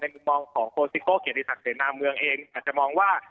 มุมมองของโคสิโก้เกียรติศักดิเสนาเมืองเองอาจจะมองว่า